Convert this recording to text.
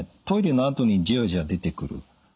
トイレのあとにじわじわ出てくる。